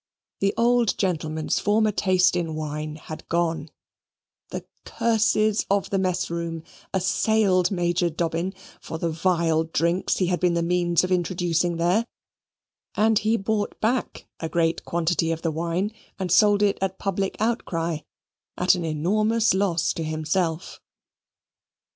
The old gentleman's former taste in wine had gone: the curses of the mess room assailed Major Dobbin for the vile drinks he had been the means of introducing there; and he bought back a great quantity of the wine and sold it at public outcry, at an enormous loss to himself.